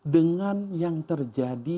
dengan yang terjadi